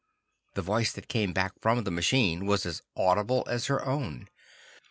The voice that came back from the machine was as audible as her own.